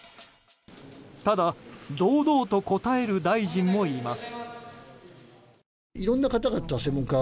ただ堂々と答える大臣もいます。